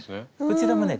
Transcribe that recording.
こちらもね